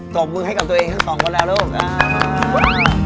บมือให้กับตัวเองทั้งสองคนแล้วลูก